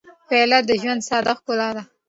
پیاله د ژوند ساده ښکلا ده.